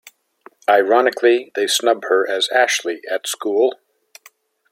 Ironically they snub her, as Ashley, at school.